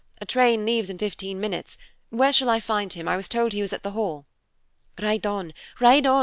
A train leaves in fifteen minutes; where shall I find him? I was told he was at the Hall." "Ride on, ride on!